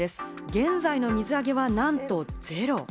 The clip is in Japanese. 現在の水揚げはなんとゼロ。